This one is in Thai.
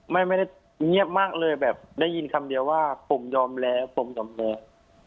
ไม่ได้เงียบมากเลยแบบได้ยินคำเดียวว่าผมยอมแล้วผมยอมแล้ว